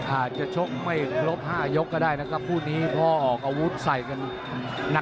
อาจจะชกไม่ครบ๕ยกก็ได้นะครับคู่นี้พอออกอาวุธใส่กันหนัก